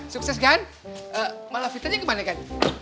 sukses gan malah fitanya kemana gan